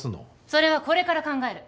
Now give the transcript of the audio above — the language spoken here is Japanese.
それはこれから考える。